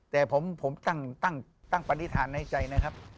แต่ผมตั้งปฏิฐานในใจนะครับ